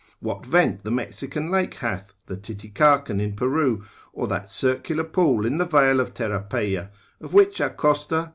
What vent the Mexican lake hath, the Titicacan in Peru, or that circular pool in the vale of Terapeia, of which Acosta l.